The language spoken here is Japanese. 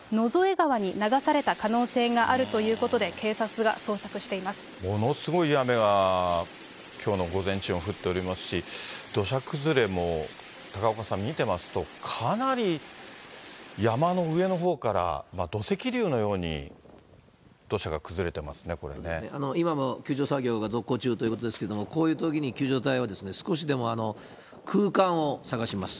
川に流された可能性があるということで警察がものすごい雨がきょうの午前中は降っておりますし、土砂崩れも高岡さん、見てますと、かなり山の上のほうから、土石流のように土砂が崩れてますね、今も救助作業が続行中ということけれども、こういうときに救助隊は、少しでも空間を探します。